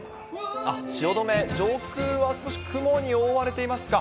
汐留、上空は少し雲に覆われていますか。